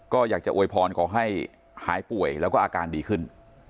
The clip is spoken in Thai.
ก็อยากจะอวยพรขอให้หายป่วยแล้วก็อาการดีขึ้น